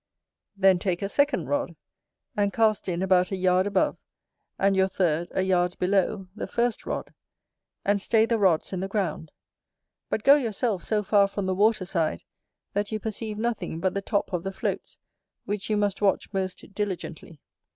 Then take a second rod, and cast in about a yard above, and your third a yard below the first rod; and stay the rods in the ground: but go yourself so far from the water side, that you perceive nothing but the top of the floats, which you must watch most diligently.